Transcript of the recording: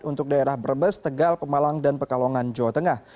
untuk daerah brebes tegal pemalang dan pekalongan jawa tengah